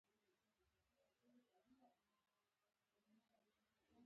ملي شهيدان ارمان لوڼی، عارف وزير، عثمان کاکړ.